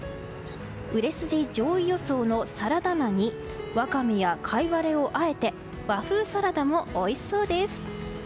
売れ筋上位予想のサラダ菜にワカメやカイワレをあえて和風サラダもおいしそうです。